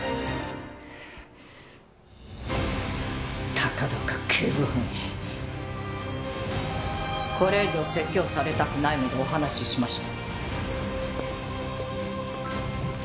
たかだか警部補にこれ以上説教されたくないのでお話ししました。